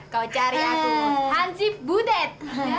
kau cari aku hansip butet